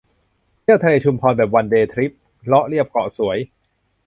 เที่ยวทะเลชุมพรแบบวันเดย์ทริป เลาะเลียบเกาะสวย